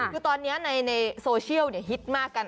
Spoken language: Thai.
คือตอนนี้ในโซเชียลฮิตมากกัน